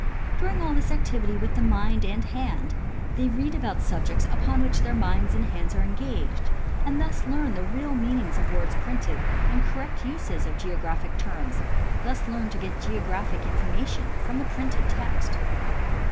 During all this activity with the mind and hand they read about the subjects upon which their minds and hands are engaged and thus learn the real meanings of words and the correct uses of geographic terms, thus learn to get geographic information from the printed text.